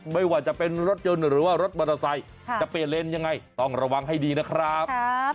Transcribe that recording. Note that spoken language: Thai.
ค่ะหลักยังไงต้องระวังให้ดีนะครับ